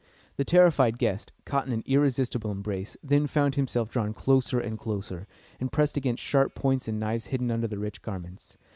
The terrified guest, caught in an irresistible embrace, then found himself drawn closer and closer, and pressed against sharp points and knives hidden under the rich garments.